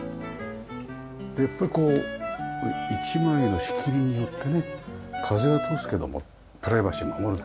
でやっぱりこう１枚の仕切りによってね風は通すけどもプライバシーは守るって。